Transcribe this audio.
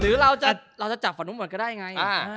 หรือเราจะจับหมดก็ได้ไง